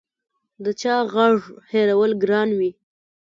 د چا غږ هېرول ګران وي